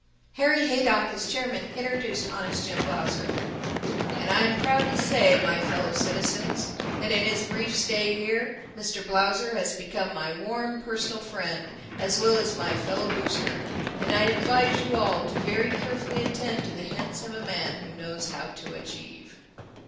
Harry Haydock, as chairman, introduced Honest Jim Blausser. "And I am proud to say, my fellow citizens, that in his brief stay here Mr. Blausser has become my warm personal friend as well as my fellow booster, and I advise you all to very carefully attend to the hints of a man who knows how to achieve."